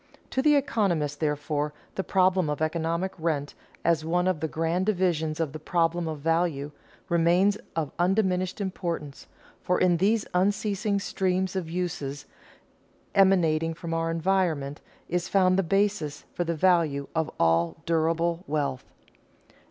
To the economist, therefore, the problem of economic rent, as one of the grand divisions of the problem of value, remains of undiminished importance, for in these unceasing streams of uses emanating from our environment, is found the basis for the value of all durable wealth.